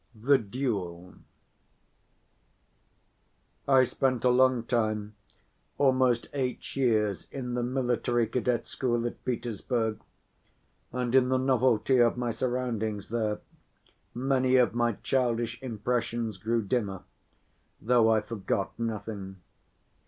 The Duel_ I spent a long time, almost eight years, in the military cadet school at Petersburg, and in the novelty of my surroundings there, many of my childish impressions grew dimmer, though I forgot nothing.